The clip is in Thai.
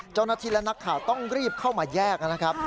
เจ้าหน้าที่และนักข่าวต้องรีบเข้ามาแยกนะครับ